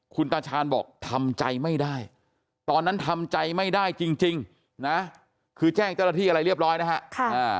คุณตาชาญบอกทำใจไม่ได้ตอนนั้นทำใจไม่ได้จริงนะคือแจ้งเจ้าหน้าที่อะไรเรียบร้อยนะฮะ